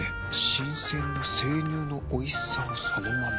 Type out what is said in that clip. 新鮮な生乳のおいしさをそのまま。